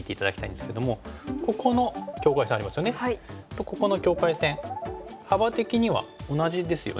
とここの境界線幅的には同じですよね。